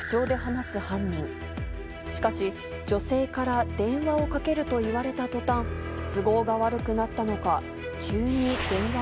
しかし女性から電話をかけると言われた途端都合が悪くなったのか。